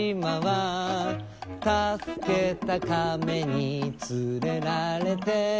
「たすけたかめにつれられて」